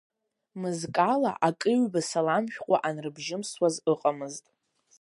Мызкы ала, акы ҩба салам шәҟәы анрыбжьымсуаз ыҟамызт.